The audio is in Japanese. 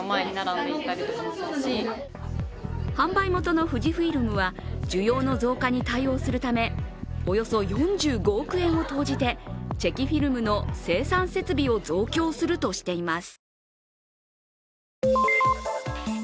販売元の富士フイルムは需要の増加に対応するためおよそ４５億円を投じて、チェキフィルムの生産設備を増強するとしています。